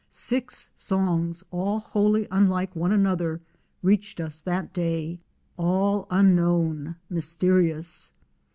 Six songs, all wholly unlike one another, reached us that day, all unknown, mysterious.